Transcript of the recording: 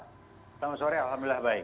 selamat sore alhamdulillah baik